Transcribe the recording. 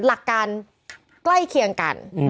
หลักการใกล้เคียงกัน